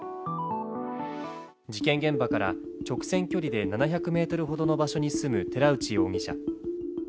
事件現場から直線距離で７００ｍほどの場所に住む寺内容疑者。